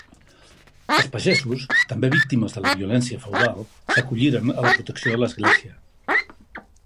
Els pagesos, també víctimes de la violència feudal, s'acolliren a la protecció de l'Església.